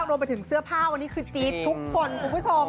รวมไปถึงเสื้อผ้าวันนี้คือจี๊ดทุกคนคุณผู้ชม